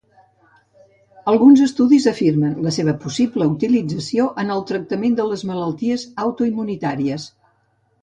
Alguns estudis afirmen la seva possible utilització en el tractament de les malalties autoimmunitàries.